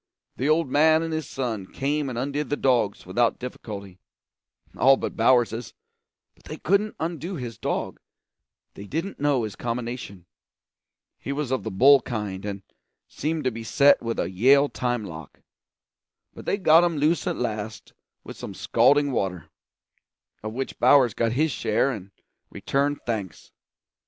The old man and his son came and undid the dogs without difficulty, all but Bowers's; but they couldn't undo his dog, they didn't know his combination; he was of the bull kind, and seemed to be set with a Yale time lock; but they got him loose at last with some scalding water, of which Bowers got his share and returned thanks.